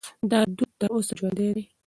دا دود تر اوسه ژوندی دی.